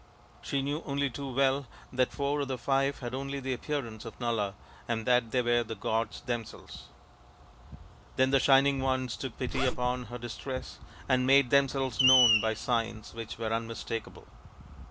She knew only too well that four of the five had only the appearance of Nala and that they were the gods themselves. Then the Shining Ones took pity upon her dis tress and made themselves known by signs which were unmistakable.